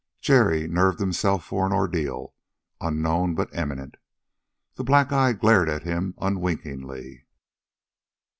Jerry nerved himself for an ordeal, unknown but imminent. The black eye glared at him unwinkingly.